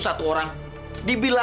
ya kepada aku ya